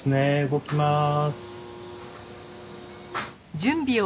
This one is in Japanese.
動きます。